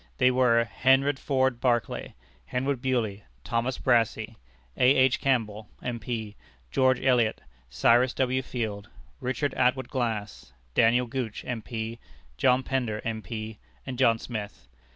They were: Henry Ford Barclay, Henry Bewley, Thomas Brassey, A. H. Campbell, M.P., George Elliot, Cyrus W. Field, Richard Atwood Glass, Daniel Gooch, M.P., John Pender, M.P., and John Smith.